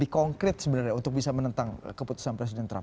konkret sebenarnya untuk bisa menentang keputusan presiden trump